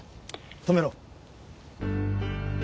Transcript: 止めろ。